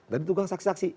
dan itu kan saksi saksi